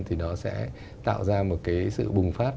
thì nó sẽ tạo ra một sự bùng phát